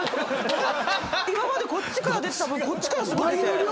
今までこっちから出てた分こっちからすごい出て。